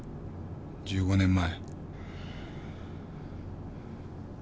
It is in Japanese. １５年前。